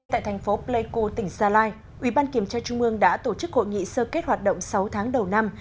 tại thành phố pleiku tỉnh gia lai ubkt đã tổ chức hội nghị sơ kết hoạt động sáu tháng đầu năm